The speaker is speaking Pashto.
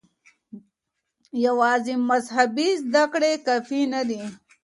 يوازې مذهبي زده کړې کافي نه دي.